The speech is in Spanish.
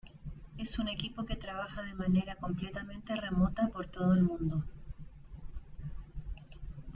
Es un equipo que trabaja de manera completamente remota por todo el mundo.